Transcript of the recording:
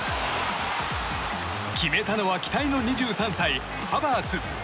決めたのは期待の２３歳ハバーツ。